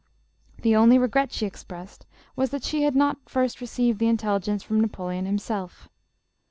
The only re gret she expressed was, that she had not first received the intelligence from Napoleon himself.